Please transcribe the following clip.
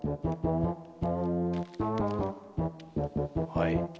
はい。